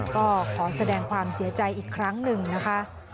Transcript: ก็ขอแสดงความเสียใจอีกครั้งหนึ่งนะคะ